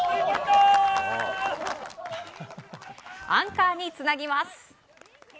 アンカーにつなぎます。